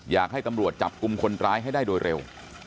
อยากให้ตำรวจจับกลุ่มคนร้ายให้ได้โดยเร็ว